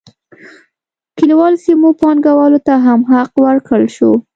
کلیوالو سیمو پانګوالو ته هم حق ورکړل شو.